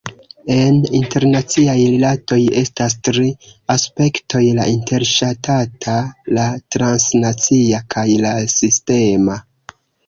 En internaciaj rilatoj estas tri aspektoj: la interŝtata, la transnacia kaj la sistema.